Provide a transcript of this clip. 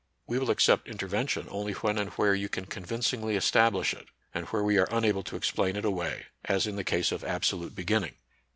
We will accept intervention only when and where you can convincingly es tablish it, and where we are unable to explain it away, as in the case of absolute beginning.